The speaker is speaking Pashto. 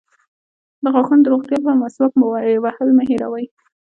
د غاښونو د روغتیا لپاره مسواک وهل مه هیروئ